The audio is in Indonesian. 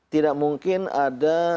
tidak mungkin ada